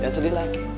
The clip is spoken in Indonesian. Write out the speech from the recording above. jangan sedih lagi